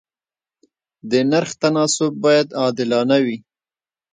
د نرخ تناسب باید عادلانه وي.